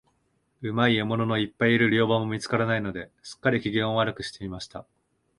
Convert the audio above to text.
うまい獲物のいっぱいいる猟場も見つからないので、すっかり、機嫌を悪くしていました。